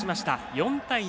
４対２。